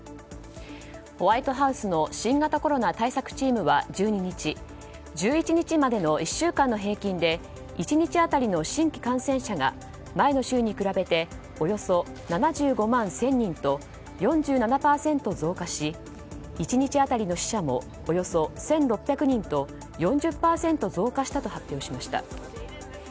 ホワイトハウスの新型コロナ対策チームは１２日１１日までの１週間の平均で１日当たりの新規感染者が前の週に比べておよそ７５万１０００人と４７％増加し１日当たりの死者もおよそ１６００人と４０％増加したと発表しました。